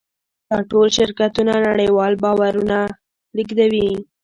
دا ټول شرکتونه نړیوال بارونه لېږدوي.